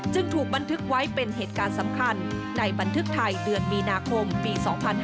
ถูกบันทึกไว้เป็นเหตุการณ์สำคัญในบันทึกไทยเดือนมีนาคมปี๒๕๕๙